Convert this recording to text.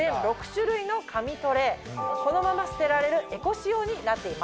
このまま捨てられるエコ仕様になっています。